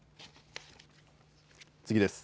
次です。